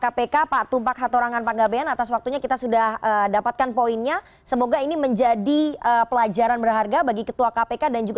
apakah kemudian menyampaikan ada masalah dengan pimpinan kpk yang sekarang